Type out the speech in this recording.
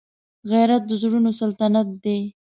غیرت د زړونو سلطنت دی